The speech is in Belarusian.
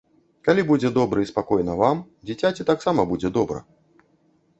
Калі будзе добра і спакойна вам, дзіцяці таксама будзе добра.